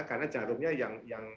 karena jarumnya yang yang